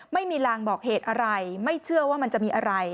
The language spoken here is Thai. ไม่มีลางบอกเหตุอะไรไม่เชื่อว่ามันจะมีอะไร